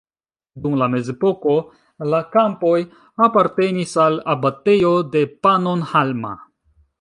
Dum la mezepoko la kampoj apartenis al abatejo de Pannonhalma.